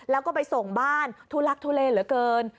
แล้วก็ไปส่งบ้านทุลักทุเลเหลือเกิน